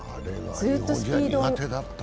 ずっとスピードを。